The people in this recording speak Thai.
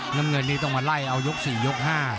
น้ำเงินนี้ต้องมาไล่เอายก๔ยก๕